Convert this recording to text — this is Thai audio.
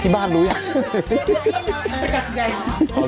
อ๋อเป็นการแสดงแล้วนะ